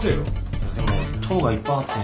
いやでも棟がいっぱいあって。